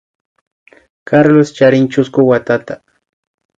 Carlos charin chusku watata